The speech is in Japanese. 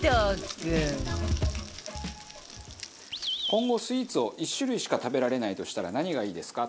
今後スイーツを１種類しか食べられないとしたら何がいいですか？